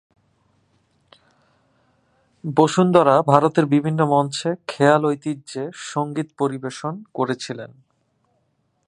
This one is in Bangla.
বসুন্ধরা ভারতের বিভিন্ন মঞ্চে খেয়াল ঐতিহ্যে সংগীত পরিবেশন করেছিলেন।